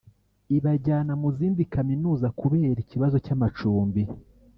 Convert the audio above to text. ibajyana mu zindi kaminuza kubera ikibazo cy’amacumbi